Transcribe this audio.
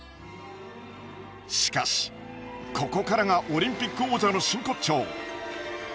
しかしここからがオリンピック王者の真骨頂。